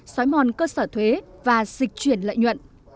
xói mòn cơ sở thuế và dịch chuyển lợi nhuận